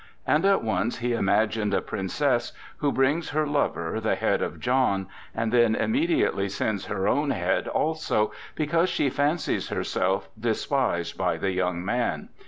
And at once he imagined a princess who brings her lover the head of John, and then immediately sends her own head also, because she fancies herself despised by the young man.